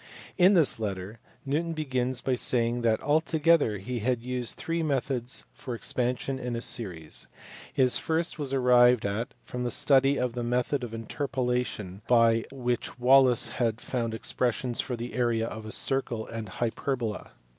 In this letter, Newton begins by saying that altogether he had used three methods for expansion in series. His first was arrived at from the study of the method of interpolation by which Wallis had found expressions for the area of a circle and a hyperbola.